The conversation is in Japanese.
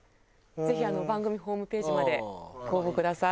ぜひ番組ホームページまでご応募ください。